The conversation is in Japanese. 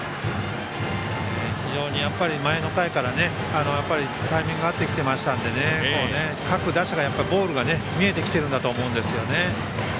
非常に前の回からタイミング合ってきてましたので各打者ボールが見えてきてるんだと思うんですよね。